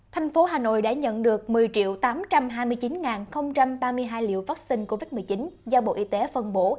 thành phố hà nội đã nhận được một mươi tám trăm hai mươi chín ba mươi hai liều vaccine covid một mươi chín do bộ y tế phân bổ